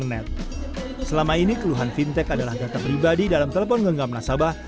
selama ini keluhan fintech adalah data pribadi dalam telepon genggam nasabah